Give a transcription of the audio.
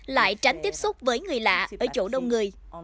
lại tránh tiếp xúc với người lạ ở chỗ đông người